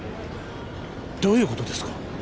どういうことですか？